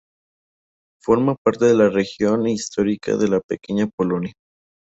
Forma parte de la región histórica de la Pequeña Polonia.